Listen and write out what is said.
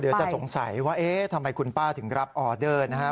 เดี๋ยวจะสงสัยว่าเอ๊ะทำไมคุณป้าถึงรับออเดอร์นะฮะ